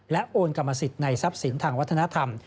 โอนกรรมสิทธิ์ในทรัพย์สินทางวัฒนธรรม